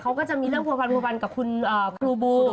เขาก็จะมีร่วมผลประปันกับคุณครูบู